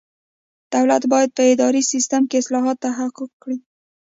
دولت باید په اداري سیسټم کې اصلاحات تحقق کړي.